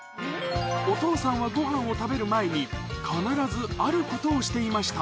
お父さんはごはんを食べる前に、必ずあることをしていました。